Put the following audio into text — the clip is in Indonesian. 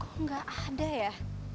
kok gak ada ya